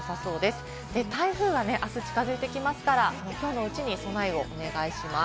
あした台風が近づいてきますから、きょうのうちに備えをお願いします。